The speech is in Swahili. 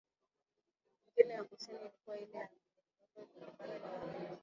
lingine la kusini lilikuwa lile la Ndongo lililopambana na Wareno